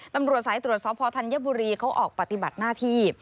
ตำรวจสายตรวจสอบพอธัญบุรีเขาออกปฏิบัติหน้าที่